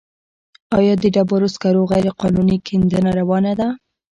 آیا د ډبرو سکرو غیرقانوني کیندنه روانه ده؟